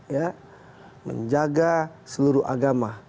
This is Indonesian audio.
ya menjaga seluruh agama